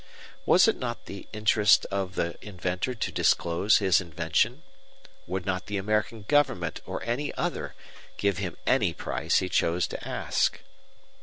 Was it not the interest of the inventor to disclose his invention? Would not the American government or any other give him any price he chose to ask?